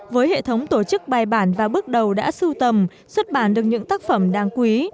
với hệ thống tổ chức bài bản và bước đầu đã sưu tầm xuất bản được những tác phẩm đáng quý